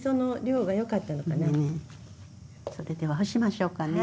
それでは干しましょうかね。